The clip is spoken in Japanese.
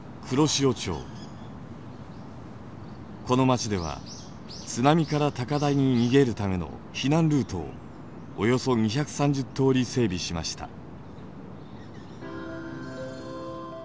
この町では津波から高台に逃げるための避難ルートをおよそ２３０とおり整備しました。